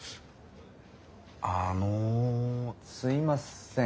あのすいません。